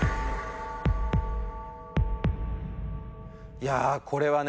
いやあこれはね